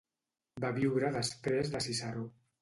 Va viure després de Ciceró.